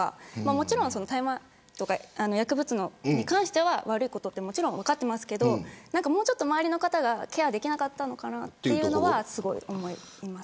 もちろん大麻とか薬物に関しては悪いことってもちろん分かってますけど周りの方がケアできなかったのかなというのはすごく思います。